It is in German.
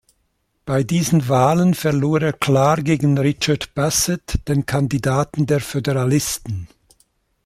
Bei diesen Wahlen verlor er klar gegen Richard Bassett, den Kandidaten der Föderalisten.